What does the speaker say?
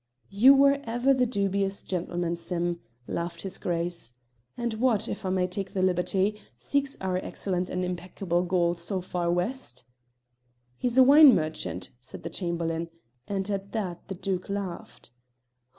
"You were ever the dubious gentleman, Sim," laughed his Grace. "And what if I may take the liberty seeks our excellent and impeccable Gaul so far west?" "He's a wine merchant," said the Chamberlain, and at that the Duke laughed.